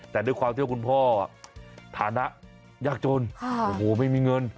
แต่ด้วยความที่ว่าคุณพ่อฐานะยากจนโอ้โหไม่มีเงิน